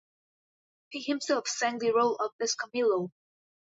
He himself sang the role of "Escamillo".